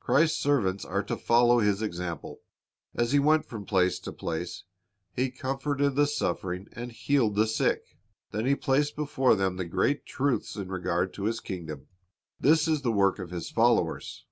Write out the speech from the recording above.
Christ's servants are to follow His example. As He went from place to place. He comforted the suffering and healed the sick. Then He placed before them the great truths in regard to His kingdom. This is the work of His followers.